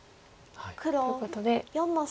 っていうことで。